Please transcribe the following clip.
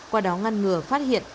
qua đó ngăn ngừa phát hiện